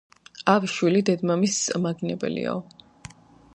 ავი შვილი დედმამისს მაგინებელიაო.